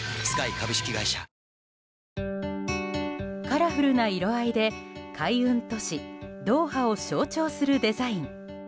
カラフルな色合いで海運都市ドーハを象徴するデザイン。